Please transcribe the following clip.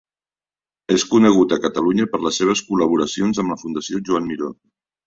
És conegut a Catalunya per les seves col·laboracions amb la Fundació Joan Miró.